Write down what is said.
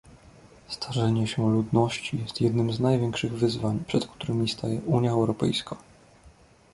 Starzenie się ludności jest jednym z największych wyzwań, przed którymi staje Unia Europejska